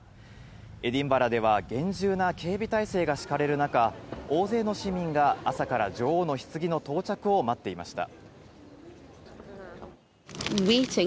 エディンバラでは、厳重な警備体制が敷かれる中、大勢の市民が朝から女王のひつぎの到着を待っていました。